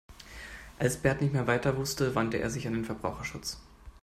Als Bert nicht mehr weiter wusste, wandte er sich an den Verbraucherschutz.